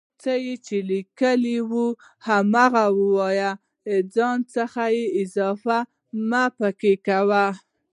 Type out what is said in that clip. څه چې ليکلي وي هماغه وايئ ځان څخه اضافه مه پکې کوئ